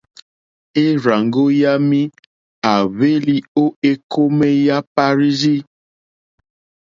E rzàŋgo yami a hweli o ekome ya Parirzi.